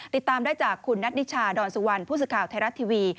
ติดตามได้จากคุณนัทนิชาดอนสุวรรณผู้สื่อข่าวไทยรัฐทีวี